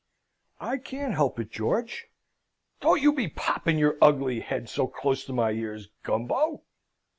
"I can't help it, George! Don't you be popping your ugly head so close to my ears, Gumbo!